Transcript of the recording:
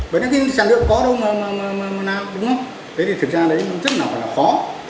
bởi nên cái sản lượng có đâu mà nào cũng không thế thì thực ra đấy chất nào còn là khó